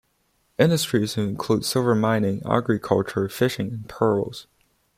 Industries include silver mining, agriculture, fishing and pearls.